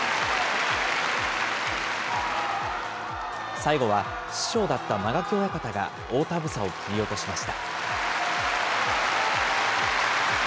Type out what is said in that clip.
最後は師匠だった間垣親方が、大たぶさを切り落としました。